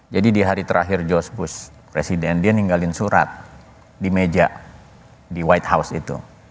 jadi di hari terakhir george bush presiden dia ninggalin surat di meja di white house itu